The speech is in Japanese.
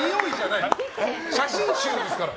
写真集ですから。